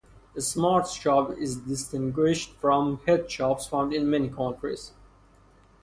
Smart shop is distinguished from head shops found in many countries.